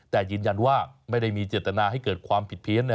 แต่ยืนยันว่าไม่ได้มีเจตนาให้เกิดความผิดเพี้ยน